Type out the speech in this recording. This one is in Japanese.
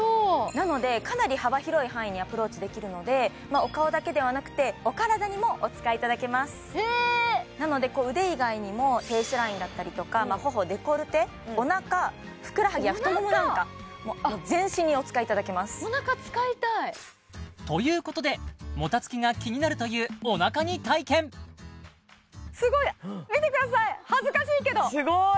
なのでかなり幅広い範囲にアプローチできるのでお顔だけではなくてお体にもお使いいただけますなので腕以外にもフェイスラインだったりとか頬デコルテおなかふくらはぎや太ももなんかもう全身にお使いいただけますということでもたつきが気になるというおなかに体験すごい見てください恥ずかしいけどすごい！